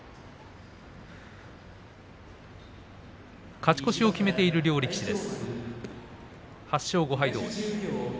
勝ち越しを決めている両力士の対戦です。